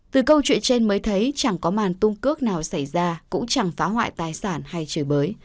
từ câu chuyện trên mới thấy chẳng có màn tung cước nào xảy ra cũng chẳng phá hoại tài sản hay chới